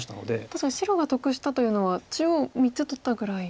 確かに白が得したというのは中央３つ取ったぐらい。